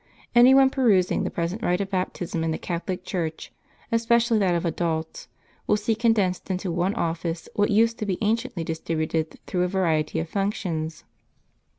Any one perusing the present rite of baptism in the Catholic Church, especially that of adults, will see condensed into one office what used to be anciently distributed through a variety of functions.